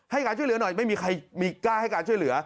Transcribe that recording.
การช่วยเหลือหน่อยไม่มีใครมีกล้าให้การช่วยเหลือ